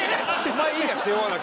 お前いいや背負わなくて。